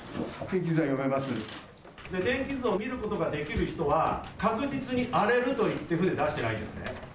天気図を見ることができる人は、確実に荒れると言って、船出してないんですね。